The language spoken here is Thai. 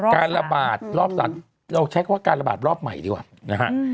การระบาดรอบ๓เราใช้คำว่าการระบาดรอบใหม่ดีกว่านะฮะ